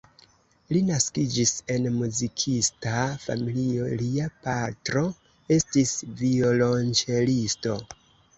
Li naskiĝis en muzikista familio, lia patro estis violonĉelisto.